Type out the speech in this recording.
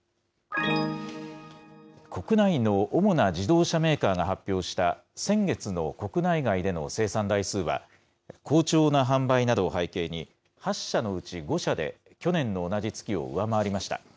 国内の主な自動車メーカーが発表した先月の国内外での生産台数は好調な販売などを背景に８社のうち５社で去年の同じ月を上回りました。